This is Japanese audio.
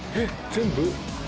全部！？